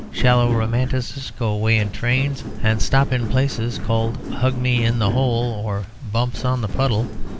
Shallow romanticists go away in trains and stop in places called Hugmy in the Hole, or Bumps on the Puddle.